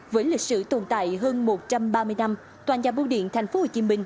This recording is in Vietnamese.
với lịch sử tồn tại hơn một trăm ba mươi năm tòa nhà bưu điện tp hcm